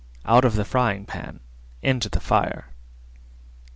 Out of the frying pan into the fire.